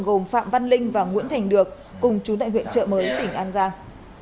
gồm phạm văn linh và nguyễn thành được cùng chú tại huyện trợ mới tỉnh an giang